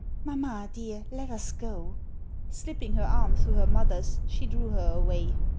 "Mamma, dear, let us go." Slipping her arm through her mother's, she drew her away.